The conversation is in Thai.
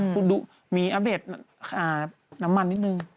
ตูดุมีที่ปัดแบบน้ำมันนิดหนึ่ง